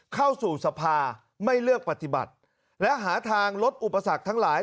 เข้าสู่สภาไม่เลือกปฏิบัติและหาทางลดอุปสรรคทั้งหลาย